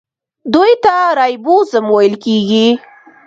دوی ته رایبوزوم ویل کیږي.